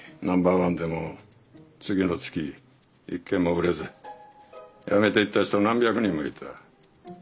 ナンバーワンでも次の月一軒も売れずやめていった人何百人もいた。